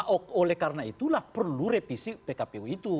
oleh karena itulah perlu revisi pkp u itu